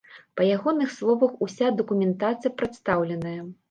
Па ягоных словах, уся дакументацыя прадстаўленая.